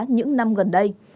những năm gần đây